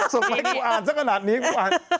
ส่งมาให้กูอ่านสักขนาดนี้กูอ่าน